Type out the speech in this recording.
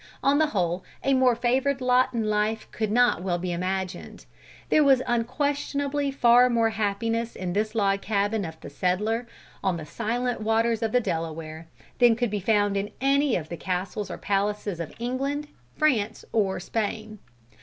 On the whole a more favored lot in life could not well be imagined. There was unquestionably far more happiness in this log cabin of the settler, on the silent waters of the Delaware, than could be found in any of the castles or palaces of England, France, or Spain.